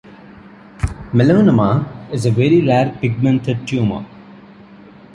Melanoma is a very rare pigmented tumour.